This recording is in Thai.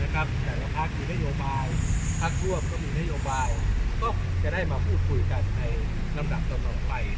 แต่ละพักมีนโยบายพักร่วมก็มีนโยบายก็จะได้มาพูดคุยกันในลำดับต่อไป